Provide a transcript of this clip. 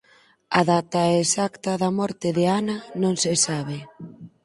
A data exacta da morte de Ana non se sabe.